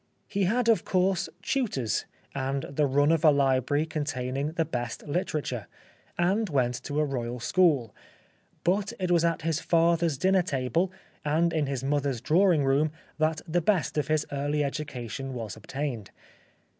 He had, of course, tutors, and the run of a Hbrary containing the best hterature, and went to a Royal school ; but it was at his father's dinner table and in his mother's drawing room that the best of his early education was obtained.